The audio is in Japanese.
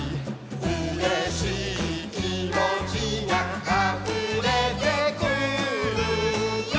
「うれしいきもちがあふれてくるよ」